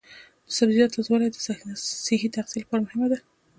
د سبزیجاتو تازه والي د صحي تغذیې لپاره مهمه ده.